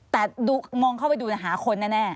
แต่มองเข้าไปดูหาคนแน่